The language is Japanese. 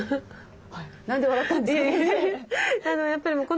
何で笑ったんですか？